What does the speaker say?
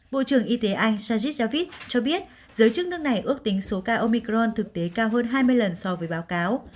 bộ trưởng y tế anh saji javis cho biết giới chức nước này ước tính số ca omicron thực tế cao hơn hai mươi lần so với báo cáo